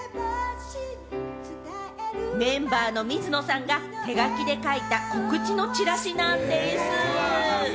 メンバーの水野さんが手書きで書いた告知のチラシなんでぃす！